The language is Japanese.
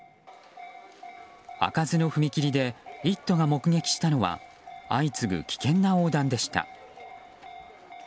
開かずの踏切で「イット！」が目撃したのは相次ぐ危険な横断でした。